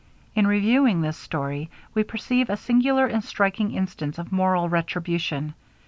In reviewing this story, we perceive a singular and striking instance of moral retribution.